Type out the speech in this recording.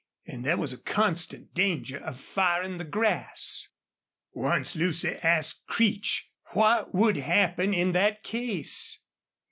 And there was a constant danger of firing the grass. Once Lucy asked Creech what would happen in that case.